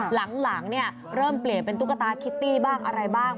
หลังเริ่มเปลี่ยนเป็นตุ๊กตาคิตตี้บ้างอะไรบ้าง